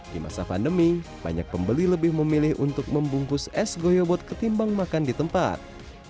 di masa pandemi banyak pembeli lebih memilih untuk membungkus es goyobot ketimbang makan di tempat